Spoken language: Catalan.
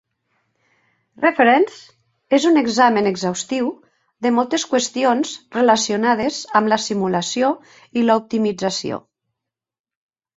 Reference és un examen exhaustiu de moltes qüestions relacionades amb la simulació i la optimizació.